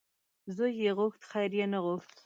زوی یې غوښت خیر یې نه غوښت .